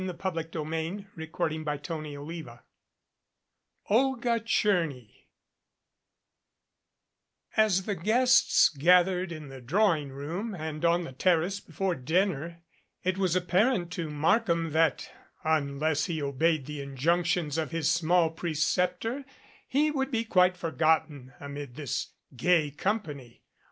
He shrugged and followed. CHAPTER VIII OLGA TCHERNY AS the guests gathered in the drawing room and on the terrace before dinner it was apparent to Markham that, unless he obeyed the injunctions of his small perceptor, he would be quite forgotten amid this gay company.